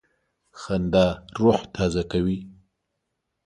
خندا روح تازه کوي.